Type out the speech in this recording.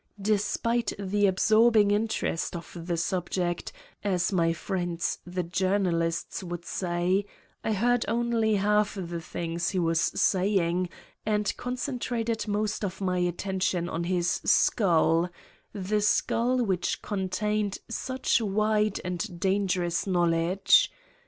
Despite the ab sorbing interest of the subject, as my friends the journalists would say, I heard only half the things he was saying and concentrated most of my atten tion on his skull, the skull which contained such wide and dangerous knowledge.